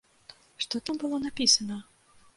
Што там было напісана?